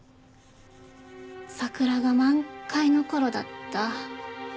桜が満開の頃だった。